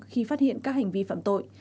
khi phát hiện các hành vi phạm tội